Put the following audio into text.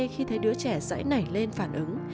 khi thấy đứa trẻ dãy nảy lên phản ứng